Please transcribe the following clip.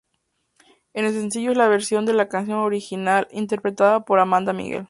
El sencillo es la versión de la canción original interpretada por Amanda Miguel.